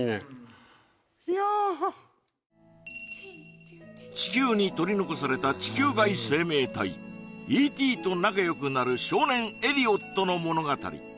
いやあ地球に取り残された地球外生命体Ｅ．Ｔ．と仲よくなる少年エリオットの物語